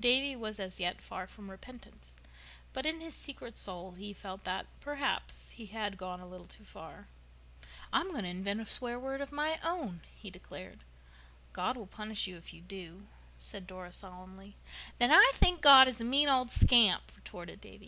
Davy was as yet far from repentance, but in his secret soul he felt that, perhaps, he had gone a little too far. "I'm going to invent a swear word of my own," he declared. "God will punish you if you do," said Dora solemnly. "Then I think God is a mean old scamp," retorted Davy.